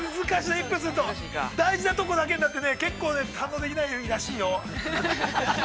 １分は、大事なとこだけになってね、結構ね堪能できないらしいよ。